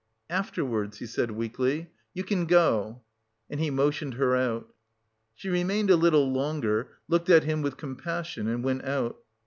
"Afterwards," he said weakly. "You can go." And he motioned her out. She remained a little longer, looked at him with compassion and went out.